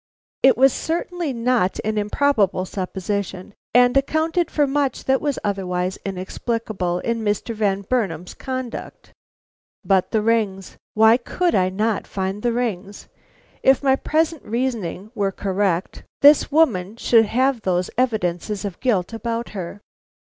It was certainly not an improbable supposition, and accounted for much that was otherwise inexplicable in Mr. Van Burnam's conduct. But the rings? Why could I not find the rings? If my present reasoning were correct, this woman should have those evidences of guilt about her.